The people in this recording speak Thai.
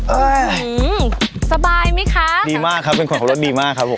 อืมสบายไหมคะดีมากครับเป็นของรถดีมากครับผม